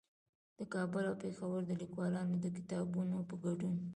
د کابل او پېښور د ليکوالانو د کتابونو په ګډون